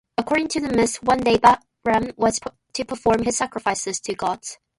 According to the myth, one day Brahma was to perform his sacrifices to gods.